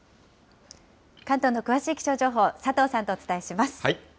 関東の詳しい気象情報、佐藤さんとお伝えします。